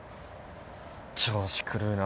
調子狂うな。